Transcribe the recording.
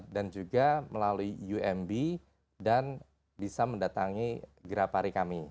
dan juga melalui umb dan bisa mendatangi grafari kami